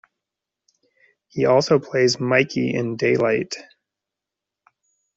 He also plays Mikey in "Daylight".